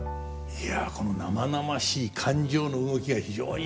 いやこの生々しい感情の動きが非常に